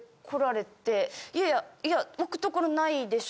いやいやいや置くところないでしょ？